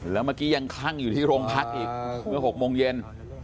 แล้วเมื่อกี้ยังคลั่งอยู่ที่โรงพักอีกเมื่อ๖โมงเย็น